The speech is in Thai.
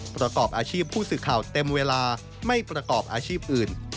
ประกอบอาชีพผู้สื่อข่าวเต็มเวลาไม่ประกอบอาชีพอื่น